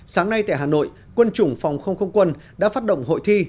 sáng nay tại hà nội quân chủng phòng không không quân đã phát động hội thi